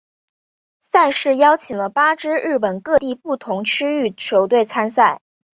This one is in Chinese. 赛事邀请八支日本各地不同地区球队参赛。